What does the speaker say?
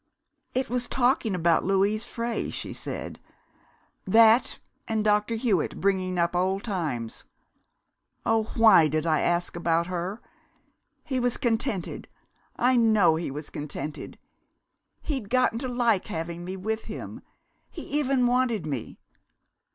"It was talking about Louise Frey," she said. "That, and Dr. Hewitt bringing up old times. Oh, why did I ask about her? He was contented I know he was contented! He'd gotten to like having me with him he even wanted me.